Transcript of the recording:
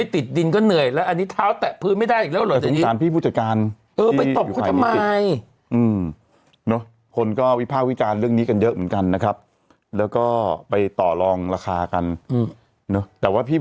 แต่ว่าพี่ผู้จัดการเขากลัวใช่ไหมแอ็งจี้